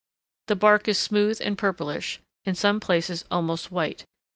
The bark is smooth and purplish, in some places almost white.